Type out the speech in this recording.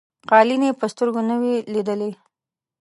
قالیني په سترګو نه وې لیدلي.